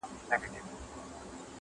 طوطي والوتی یوې او بلي خواته-